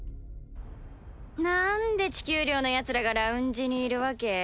なんで地球寮のヤツらがラウンジにいるわけ？